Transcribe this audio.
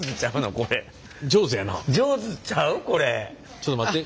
ちょっと待って。